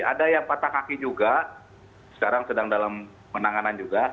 ada yang patah kaki juga sekarang sedang dalam penanganan juga